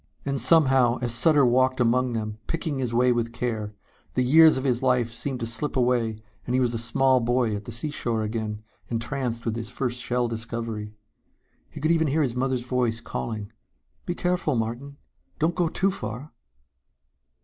And somehow, as Sutter walked among them, picking his way with care, the years of his life seemed to slip away and he was a small boy at the seashore again, entranced with his first shell discovery. He could even hear his mother's voice calling "Be careful, Martin! Don't go too far!"